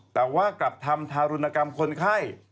แต่ว่ากลับทำทารุณกรรมคนไข้